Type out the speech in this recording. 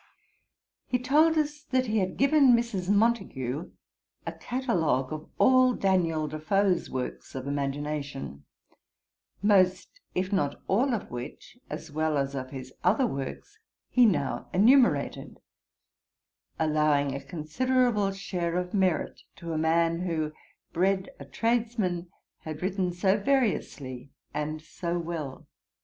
He told us, that he had given Mrs. Montagu a catalogue of all Daniel Defoe's works of imagination; most, if not all of which, as well as of his other works, he now enumerated, allowing a considerable share of merit to a man, who, bred a tradesman, had written so variously and so well.